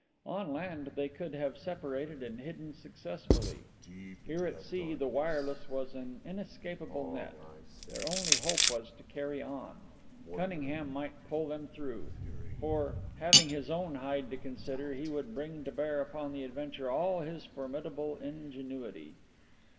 On land they could have separated and hidden successfully. Here at sea the wireless was an inescapable net. Their only hope was to carry on. Cunningham might pull them through. For, having his own hide to consider, he would bring to bear upon the adventure all his formidable ingenuity.